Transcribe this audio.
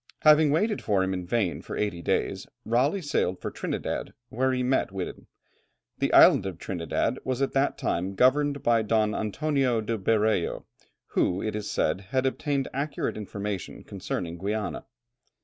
Having waited for him in vain for eighty days, Raleigh sailed for Trinidad, where he met Whiddon. The island of Trinidad was at that time governed by Don Antonio de Berreo, who, it is said, had obtained accurate information concerning Guiana.